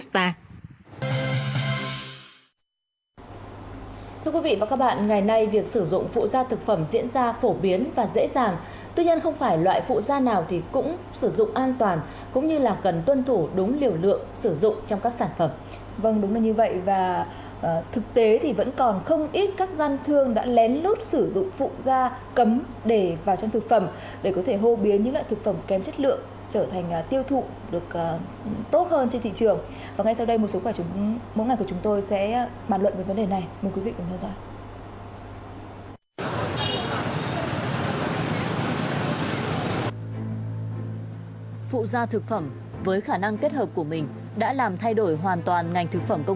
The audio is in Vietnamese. tuy nhiên không phải loại phụ gia nào cũng được phép sử dụng trong thực phẩm